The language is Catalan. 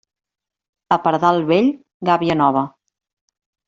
A pardal vell, gàbia nova.